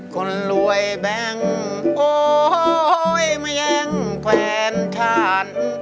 คนรวยแบงค์โอ้โห้ยไม่ยังแควรทาน